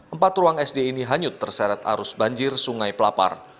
empat ruang sd ini hanyut terseret arus banjir sungai pelapar